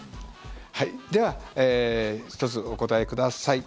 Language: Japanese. では１つお答えください。